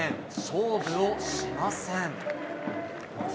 勝負をしません。